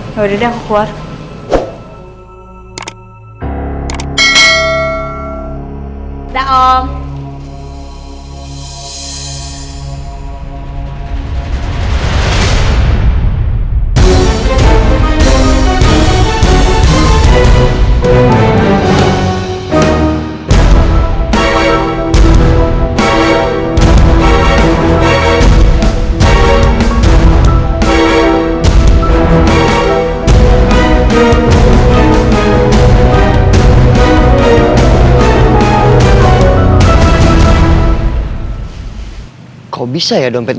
yaudah deh aku keluar